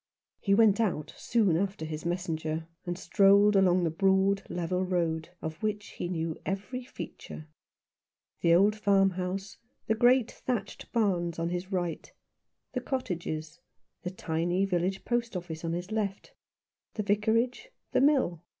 He went out soon after his messenger, and strolled along the broad, level road, of which he knew every feature. The old farmhouse and great thatched barns on his right ; the cottages — the tiny village post office on his left — the Vicarage — the mill.